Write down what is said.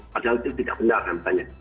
padahal itu tidak benar namanya